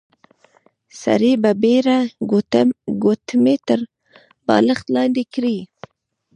سړي په بيړه ګوتمۍ تر بالښت لاندې کړې.